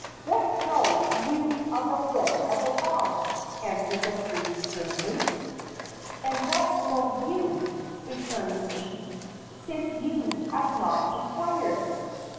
"What know you of the will of the gods?" answered the priest, sternly. "And what know you," returned the chief, "since you have not inquired?"